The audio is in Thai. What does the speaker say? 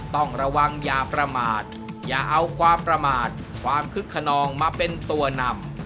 ต้องระวังอย่าประมาทอย่าเอาความประมาทความคึกขนองมาเป็นตัวนำ